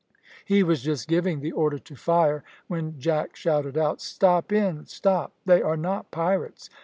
He was just giving the order to fire, when Jack shouted out, "Stop in, stop! They are not pirates.